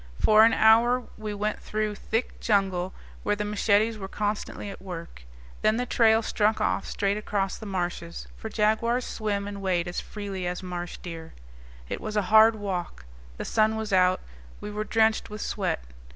For an hour we went through thick jungle, where the machetes were constantly at work. Then the trail struck off straight across the marshes, for jaguars swim and wade as freely as marsh deer. It was a hard walk. The sun was out. We were drenched with sweat.